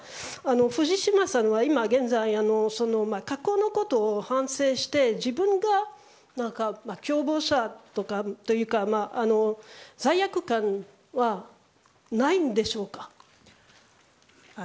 藤島さんは現在過去のことを反省して自分が共謀者というか罪悪感はないんでしょうか？